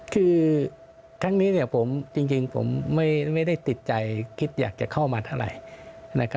คือครั้งนี้จริงผมไม่ได้ติดใจคิดอยากจะเข้ามาเท่าไหร่